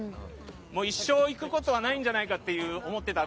一生行くことはないんじゃないかと思ってた。